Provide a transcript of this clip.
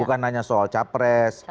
bukan hanya soal capres